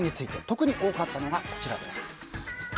特に多かったのがこちらです。